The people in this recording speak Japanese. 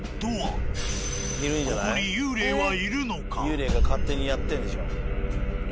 幽霊が勝手にやってんでしょ。